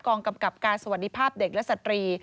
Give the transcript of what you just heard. กำกับการสวัสดีภาพเด็กและสตรี